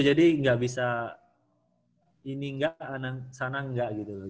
jadi gak bisa ini gak sana gak gitu loh